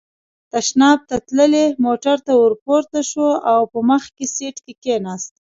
تشناب ته تللی، موټر ته ور پورته شو او په مخکې سېټ کې کېناست.